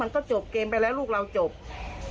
มันก็โจทย์เกมไปแล้วลูกเราโจทย์